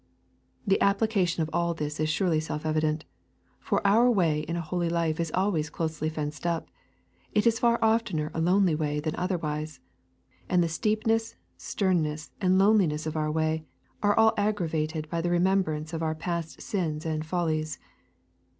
The application of all that is surely self evident. For our way in a holy life is always closely fenced up. It is far oftener a lonely way than otherwise. And the steepness, sternness, and loneliness of our way are all aggravated by the remembrance of our past sins and follies.